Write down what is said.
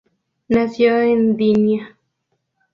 Nació en Gdynia.